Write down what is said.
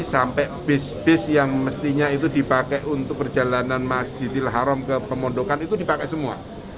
sampai bis bis yang mestinya itu dipakai untuk perjalanan masjidil haram ke pemondokan itu dipakai semua